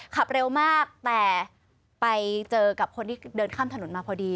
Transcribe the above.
ขับเร็วมากแต่ไปเจอกับคนที่เดินข้ามถนนมาพอดี